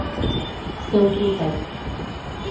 Ser un trompet.